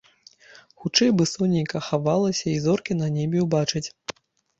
Хутчэй бы сонейка хавалася і зоркі на небе ўбачыць.